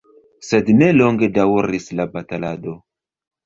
Sed ne longe daŭris la batalado.